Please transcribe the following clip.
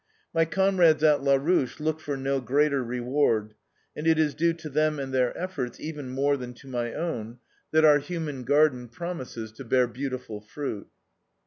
My comrades at LA RUCHE look for no greater reward, and it is due to them and their efforts, even more than to my own, that our human garden promises to bear beautiful fruit."